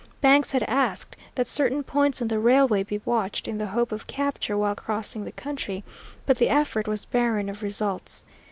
Banks had asked that certain points on the railway be watched in the hope of capture while crossing the country, but the effort was barren of results.